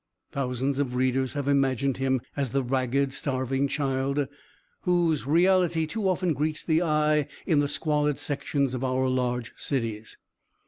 Thousands of readers have imagined him as the ragged, starving child, whose reality too often greets the eye in the squalid sections of our large cities.